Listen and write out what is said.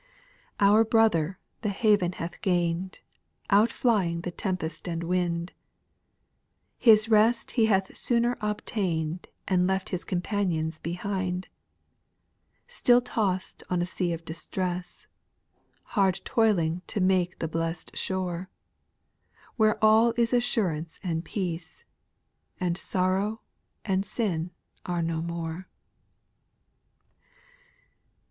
2. Our brother the haven hath gain'd,* Out flying the tempest and wind ; His rest he hath sooner obtain'd And left his companions behind, Still tossed on a sea of distress, Hard toiling to make the blest shore, Where all is assurance and peace, And sorrow and sin are no more.